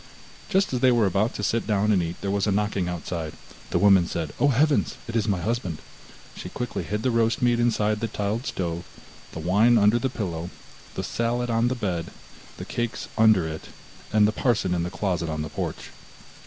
Just as they were about to sit down and eat, there was a knocking outside. The woman said: 'Oh, heavens! It is my husband!' she quickly hid the roast meat inside the tiled stove, the wine under the pillow, the salad on the bed, the cakes under it, and the parson in the closet on the porch.